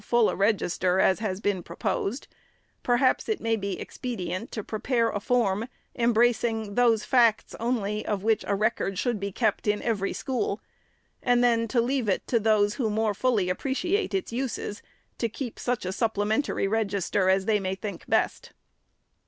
505 full a Register as has been proposed, perhaps it may be expedient to prepare a Form, embracing those facts only, of which a record should be kept, in every school ; and then to leave it to those who more fully appreciate its uses, to keep such a supplementary Register as they may think best.